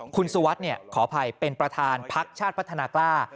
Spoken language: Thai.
คุณสุวัสดิ์ขออภัยเป็นประธานพักชาติพัฒนากล้า